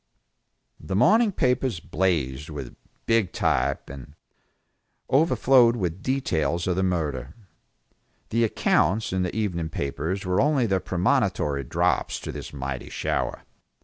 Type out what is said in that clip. The morning papers blazed with big type, and overflowed with details of the murder. The accounts in the evening papers were only the premonitory drops to this mighty shower.